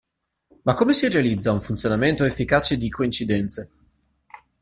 Ma come si realizza un funzionamento efficace di coincidenze?